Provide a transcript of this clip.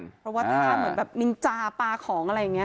เพราะว่าท่าเหมือนแบบนินจาปลาของอะไรอย่างนี้